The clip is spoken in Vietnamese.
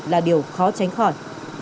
là điều khó tránh khỏi